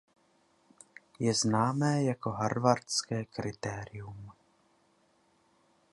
Je známé jako harvardské kritérium.